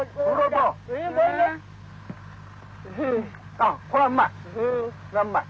あこれはうまい。